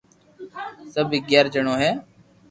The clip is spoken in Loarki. سب اگياري جڻو ھي